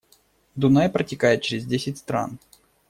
Дунай протекает через десять стран